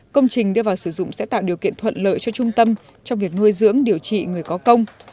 công trình đưa vào sử dụng sẽ tạo điều kiện thuận lợi cho trung tâm trong việc nuôi dưỡng điều trị người có công